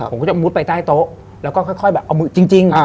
ผมก็จะมุดไปใต้โต๊ะแล้วก็ค่อยแบบเอามือจริง